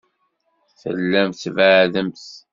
Tellamt tbeɛɛdemt.